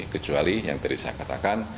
kecuali yang tadi saya katakan